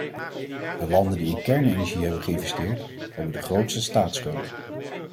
De landen die in kernenergie hebben geïnvesteerd, hebben de grootste staatsschuld.